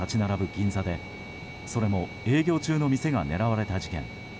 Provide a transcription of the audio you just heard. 銀座でそれも営業中の店が狙われた事件。